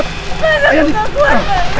tidak ada yang bisa kuat pak